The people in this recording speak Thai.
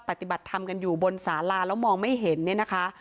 ปฏิบัติธรรมกันอยู่บนสาราแล้วมองไม่เห็นเนี่ยนะคะ